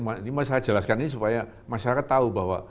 kembali tadi ini masih saya jelaskan ini supaya masyarakat tahu bahwa